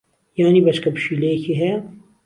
یانی بەچکە پشیلەیەکی ھەیە.